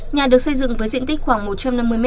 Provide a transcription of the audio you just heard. nhà được xây dựng với diện tích khoảng một trăm năm mươi m hai